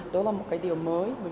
đó là một điều mới